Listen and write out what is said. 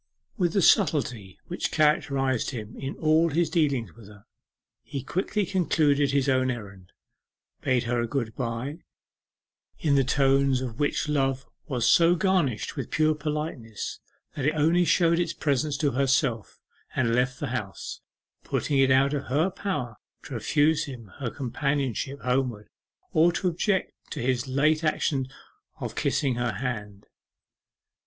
With the subtlety which characterized him in all his dealings with her, he quickly concluded his own errand, bade her a good bye, in the tones of which love was so garnished with pure politeness that it only showed its presence to herself, and left the house putting it out of her power to refuse him her companionship homeward, or to object to his late action of kissing her hand.